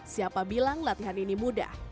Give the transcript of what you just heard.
siapa bilang latihan ini mudah